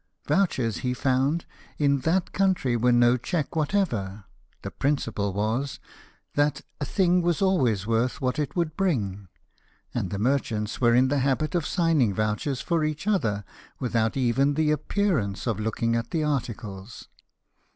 Vouchers, he found, in that country were no check whatever: the principle was, that " a thing was always worth what it would bring ;" and the merchants were in the habit of signing vouchers for each other, without even the appearance ILLNESS. 45 of looking at the articles.